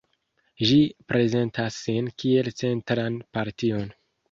Ĝi prezentas sin kiel centran partion.